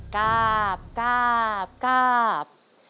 กาบกาบกาบ